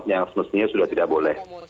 maksudnya sudah tidak boleh